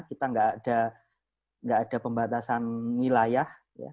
kita nggak ada pembatasan wilayah